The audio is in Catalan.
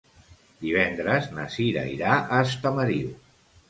Divendres na Cira irà a Estamariu.